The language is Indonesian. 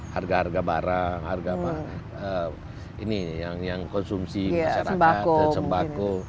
harga harga barang harga yang konsumsi masyarakat sembako